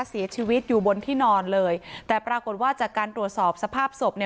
เสียชีวิตอยู่บนที่นอนเลยแต่ปรากฏว่าจากการตรวจสอบสภาพศพเนี่ย